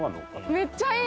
めっちゃいい！